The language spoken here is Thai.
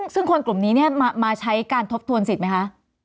ซึ่งคนกลุ่มนี้มาใช้การทบทวนสิทธิไหมคะ